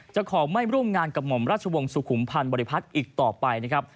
จะขอไม่ร่วมงานกับหม่อมราชวงศ์สุขุมพันธ์บริพัฒน์อีกต่อไปนะครับ